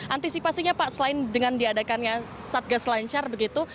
antisipasinya pak selain dengan diadakannya satgas lancar begitu